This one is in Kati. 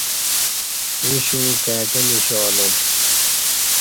ییں شوں کائی کہ مشالم